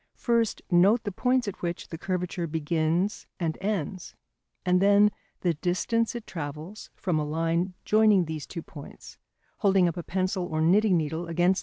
First note the points at which the curvature begins and ends, and then the distances it travels from a line joining these two points, holding up a pencil or knitting needle against the model if need be.